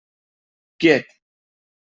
Quiet!